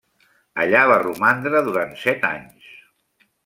Allà va romandre durant set anys.